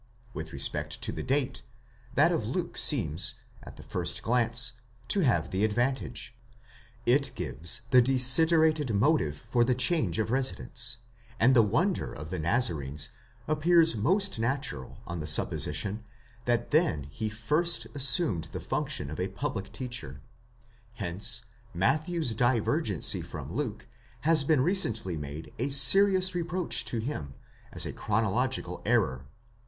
With respect to the date, that of Luke seems, at the first glance, to have the advantage; it gives the desiderated motive for the change of residence, and the wonder of the Nazarenes appears most natural on the supposition that then he first assumed the function of a public teacher ; hence Matthew's divergency from Luke has been recently made a serious reproach to him, as a chronological error.